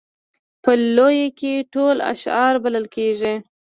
په لویه کې ټول اشاعره بلل کېږي.